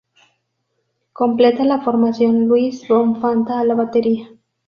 Completa la formación "Luis "von Fanta"" a la batería.